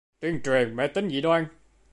tuyên truyền mê tín dị đoan